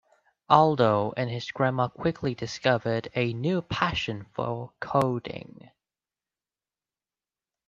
Aldo and his grandma quickly discovered a new passion for coding.